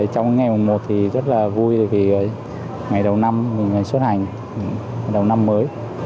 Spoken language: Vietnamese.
trong ngày mùng một thì rất là vui vì ngày đầu năm mình xuất hành ngày đầu năm mới